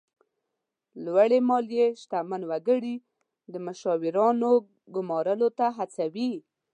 لوړې مالیې شتمن وګړي د مشاورینو ګمارلو ته هڅوي.